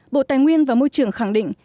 bộ tài nguyên và môi trường khẳng định